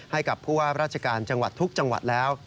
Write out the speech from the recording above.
ให้กับผู้ว่าราชการจังหวัดทุกจังหวัดแล้ว